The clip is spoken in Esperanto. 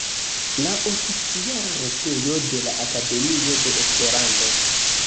La oficiala retejo de la Akademio de Esperanto.